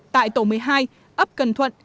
tại tổ một mươi hai ấp cần thuận